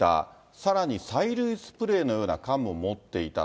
さらに、催涙スプレーのような缶も持っていた。